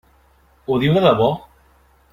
Ho diu de debò?